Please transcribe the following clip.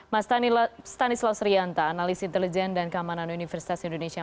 mas tani slosrianta analis intelijen dan keamanan universitas indonesia